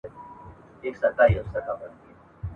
د قیامت نښانې دغه دي ښکاریږي ..